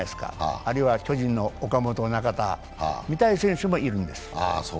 あるいは巨人の岡本、中田、見たい選手もいるんです。